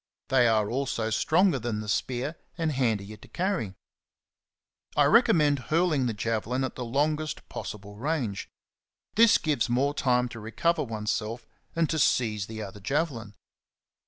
They are also stronger than the spear and handier to carry. I recommend hurling the javelin at the longest possible range. This gives more time to recover oneself and to seize the other javelin.